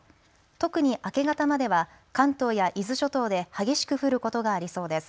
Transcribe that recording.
特に明け方までは関東や伊豆諸島で激しく降ることがありそうです。